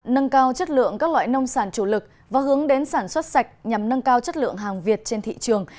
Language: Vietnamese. nâng cao chất lượng các loại nông sản chủ lực và hướng đến sản xuất sạch nhằm nâng cao chất lượng hàng việt trên thị trường